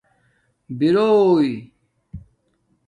بررݸ